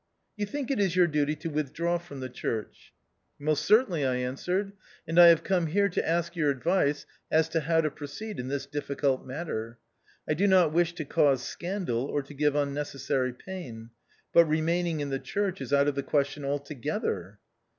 " You think it is your duty to withdraw from the church ?" "Most certainly," I answered, "and I have come here to ask your advice as to how to proceed in this difficult matter. I do not wish to cause scandal, or to give unnecessary pain. But remaining in the church is out of the question altogether."